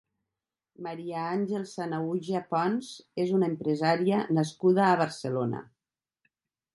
Maria Àngels Sanahuja Pons és una empresària nascuda a Barcelona.